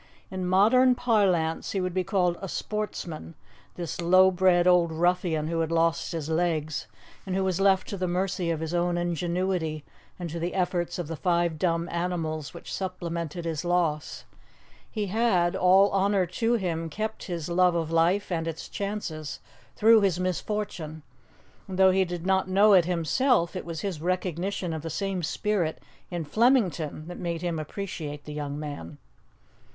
In modern parlance he would be called 'a sportsman,' this low bred old ruffian who had lost his legs, and who was left to the mercy of his own ingenuity and to the efforts of the five dumb animals which supplemented his loss. He had all honour to him kept his love of life and its chances through his misfortune; and though he did not know it himself, it was his recognition of the same spirit in Flemington that made him appreciate the young man.